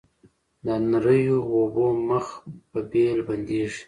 د نریو اوبو مخ په بېل بندیږي